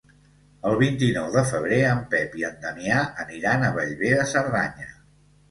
El vint-i-nou de febrer en Pep i en Damià aniran a Bellver de Cerdanya.